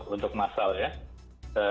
untuk masalah ya